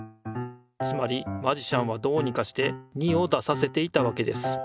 つまりマジシャンはどうにかして２を出させていたわけです。